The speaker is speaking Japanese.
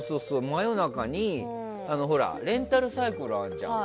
真夜中にレンタルサイクルあるじゃん。